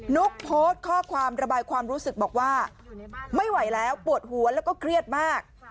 ุ๊กโพสต์ข้อความระบายความรู้สึกบอกว่าไม่ไหวแล้วปวดหัวแล้วก็เครียดมาก